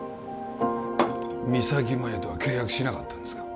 三咲麻有とは契約しなかったんですか？